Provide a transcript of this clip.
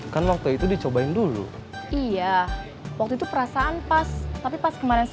garut garut garut garut garut